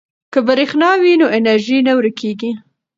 که برښنا وي نو انرژي نه ورکیږي.